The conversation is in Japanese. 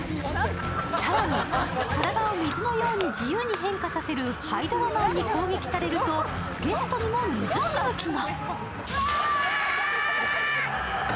更に、体を水のように自由に変化させるハイドロマンに攻撃されると、ゲストにも水しぶきが。